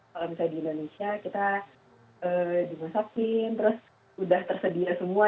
kalau misalnya di indonesia kita dimasakin terus udah tersedia semua